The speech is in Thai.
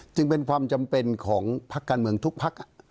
จึงเป็นความจำเป็นของพักการเมืองทุกพัก